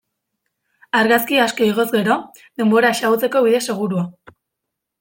Argazki asko igoz gero, denbora xahutzeko bide segurua.